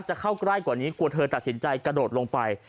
จะเข้าใกล้กว่านี้กลัวเธอตัดสินใจกระโดดลงไป